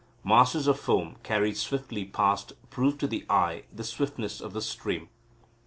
Masses of foam, carried swiftly past, proved to the eye the swiftness of the stream.